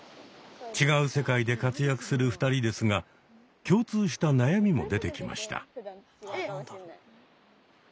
違う世界で活躍する２人ですが共通した悩みも出てきました。